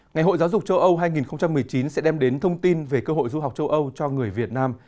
ngày hội giáo dục châu âu hai nghìn một mươi chín sẽ đem đến thông tin về cơ hội du học châu âu cho người việt nam